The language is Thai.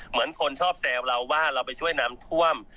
เหมือนคนชอบแซวเราว่าเราไปช่วยน้ำท่วม